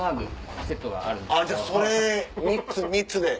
じゃあそれ３つ３つで。